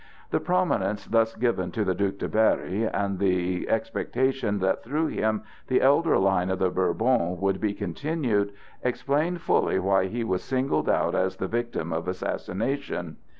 The prominence thus given to the Duc de Berry, and the expectation that through him the elder line of the Bourbons would be continued explain fully why he was singled out as the victim of assassination.